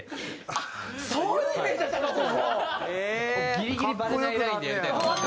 ギリギリバレないラインでやりたいと思って。